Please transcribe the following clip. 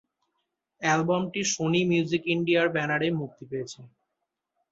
অ্যালবামটি Sony Music ইন্ডিয়ার ব্যানারে মুক্তি পেয়েছে।